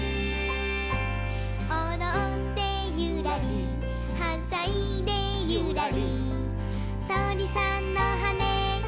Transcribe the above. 「おどってゆらりはしゃいでゆらりとりさんのはねゆらり」